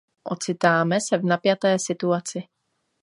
Ocitáme se v napjaté situaci.